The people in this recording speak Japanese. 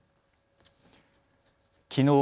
きのう